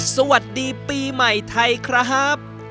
สวัสดีปีใหม่ไทยครับ